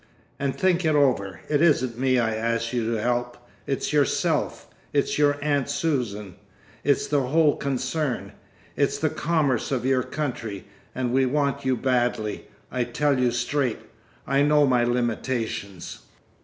And think it over. It isn't me I ask you to help. It's yourself. It's your aunt Susan. It's the whole concern. It's the commerce of your country. And we want you badly. I tell you straight, I know my limitations.